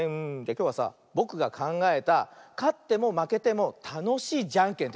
きょうはさぼくがかんがえたかってもまけてもたのしいじゃんけんというのやってみよう。